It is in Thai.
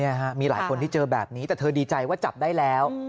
ฮะมีหลายคนที่เจอแบบนี้แต่เธอดีใจว่าจับได้แล้ว